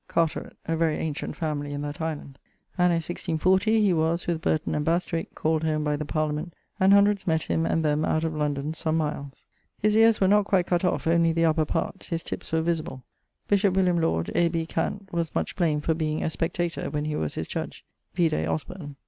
Carteret, a very ancient familie in that island. Anno 164<0> he was, with Burton and Bastwyck, called home by the Parliament, and hundreds mett him and them, out of London, some miles. [LXIII.] His eares were not quite cutt off, only the upper part, his tippes were visible. Bishop William Lawd, A. B. Cant., was much blamed for being a spectator, when he was his judge: vide Osburne.